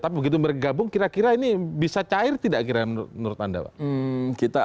tapi begitu bergabung kira kira ini bisa cair tidak kira menurut anda pak